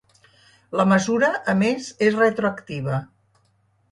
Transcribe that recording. La mesura, a més, és retroactiva.